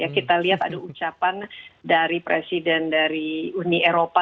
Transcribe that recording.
kita lihat ada ucapan dari presiden dari uni eropa